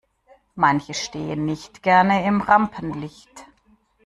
Manche stehen nicht gerne im Rampenlicht.